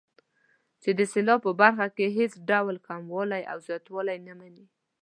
چې د سېلاب په برخه کې هېڅ ډول کموالی او زیاتوالی نه مني.